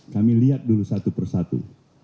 kami lihat dulu satu persatu